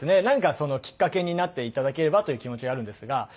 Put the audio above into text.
なんかきっかけになって頂ければという気持ちがあるんですが。